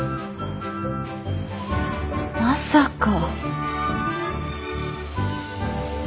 まさか。